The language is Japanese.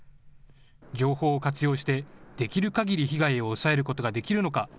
情報を活用して、できるかぎり被害を抑えることができるのか。